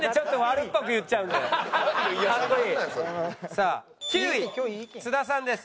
さあ９位津田さんです。